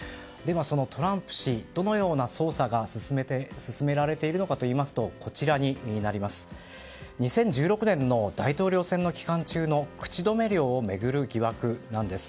そのトランプ氏どのような捜査が進められているのかといいますと２０１６年の大統領選の期間中の口止め料を巡る疑惑なんです。